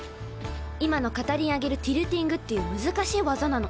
今の片輪上げるティルティングっていう難しい技なの。